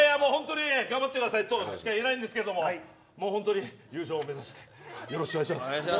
頑張ってくださいとしか言えないんですけど本当に優勝を目指してよろしくお願いします。